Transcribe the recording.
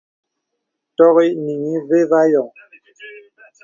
Tɔŋì nìŋì və̄ və a yɔ̄ŋ.